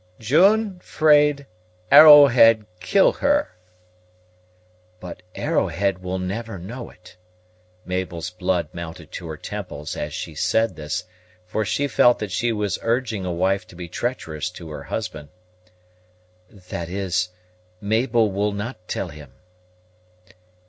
"June 'fraid Arrowhead kill her." "But Arrowhead will never know it." Mabel's blood mounted to her temples as she said this; for she felt that she was urging a wife to be treacherous to her husband. "That is, Mabel will not tell him."